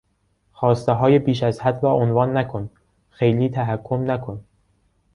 خواستههای بیش از حد را عنوان نکن!، خیلی تحکم نکن!